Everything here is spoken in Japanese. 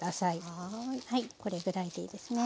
はいこれぐらいでいいですね。